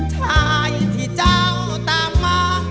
ชายที่เจ้าตามมา